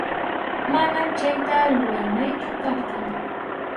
Manam chayta ruranaychu karqan.